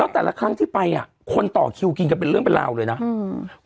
แต่ละครั้งที่ไปอ่ะคนต่อคิวกินกันเป็นเรื่องเป็นราวเลยนะอืม